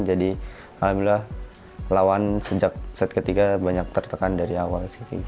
jadi alhamdulillah lawan sejak set ketiga banyak tertekan dari awal